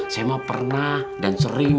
saya mah pernah dan sering